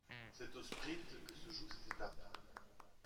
C'est au sprint que se joue cette étape.